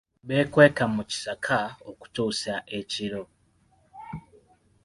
Beekweka mu kisaka okutuusa ekiro.